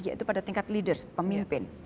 yaitu pada tingkat leaders pemimpin